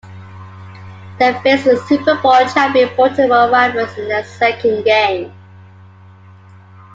They faced the Super Bowl champion Baltimore Ravens in their second game.